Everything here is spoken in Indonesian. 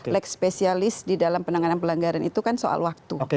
leg spesialis di dalam penanganan pelanggaran itu kan soal waktu